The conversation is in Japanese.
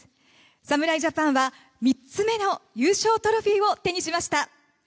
侍ジャパンは３つ目の優勝トロフィーを手にしました。